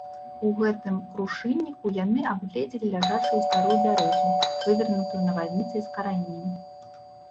У гэтым крушынніку яны абгледзелі ляжачую старую бярозу, вывернутую навальніцай з карэннем.